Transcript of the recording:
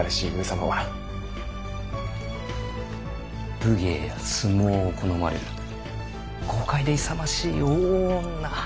武芸や相撲を好まれる豪快で勇ましい大女。